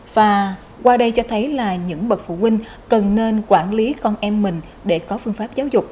và qua đây cho thấy là những bậc phụ huynh cần nên quản lý con em mình để có phương pháp giáo dục